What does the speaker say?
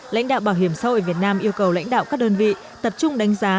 lãnh đạo bảo hiểm xã hội việt nam yêu cầu lãnh đạo các đơn vị tập trung đánh giá